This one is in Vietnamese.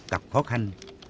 gặp khó khăn